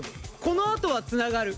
このあとはつながる。